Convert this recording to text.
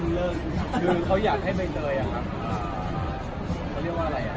เขาเรียกว่าอะไรอะ